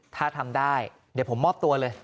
ถ้าทำได้เดี๋ยวผมมอบตัวเลย